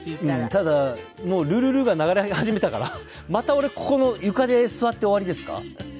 ただもう「ルルル」が流れ始めたからまた俺ここの床で座って終わりですか？